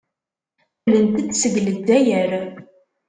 Qqlent-d seg Lezzayer.